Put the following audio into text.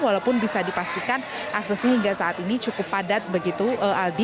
walaupun bisa dipastikan aksesnya hingga saat ini cukup padat begitu aldi